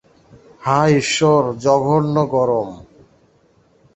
হায় ঈশ্বর জঘন্য গরম।